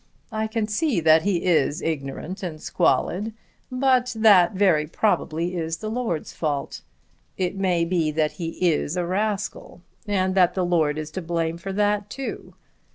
I can see that he is ignorant and squalid; but that very probably is the lord's fault. It may be that he is a rascal and that the lord is to blame for that too.